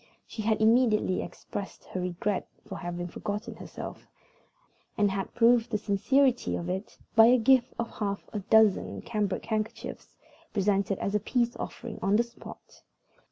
She had immediately expressed her regret for having forgotten herself, and had proved the sincerity of it by a gift of half a dozen cambric handkerchiefs, presented as a peace offering on the spot.